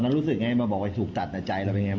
ตอนนั้นรู้สึกยังไงมาบอกมันถูกตัดใจเราเป็นยังไง